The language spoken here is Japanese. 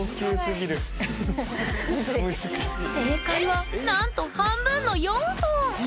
正解はなんと半分の４本えっ４本？